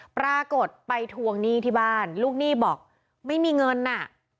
ปรากฏไปทวงหนี้ที่บ้านลูกหนี้บอกไม่มีเงินน่ะ